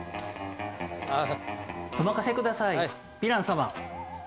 お任せ下さいヴィラン様。